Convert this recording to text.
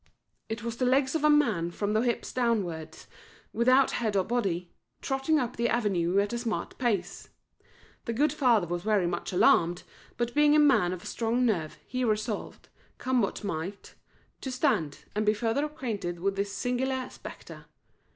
It was the legs of a man from the hips downwards, without head or body, trotting up the avenue at a smart pace. The good father was very much alarmed, but, being a man of strong nerve, he resolved, come what might, to stand, and be further acquainted with this singular spectre.